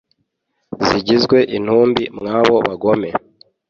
zigwize intumbi mwabo bagome